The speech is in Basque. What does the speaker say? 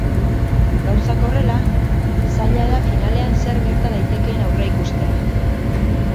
Gauzak horrela, zaila da finalean zer gerta daitekeen aurreikustea.